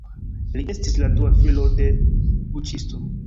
Li estis la dua filo de buĉisto.